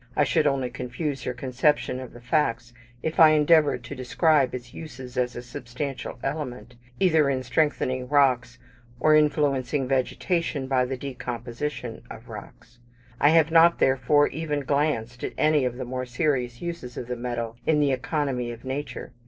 I should only confuse your conception of the facts, if I endeavoured to describe its uses as a substantial element, either in strengthening rocks, or influencing vegetation by the decomposition of rocks. I have not, therefore, even glanced at any of the more serious uses of the metal in the economy of nature.